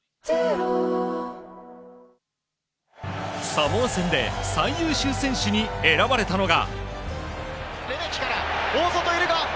サモア戦で最優秀選手に選ばれたのが。